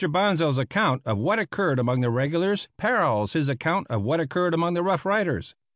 Bonsal's account of what occurred among the regulars parallels his account of what occurred among the Rough Riders.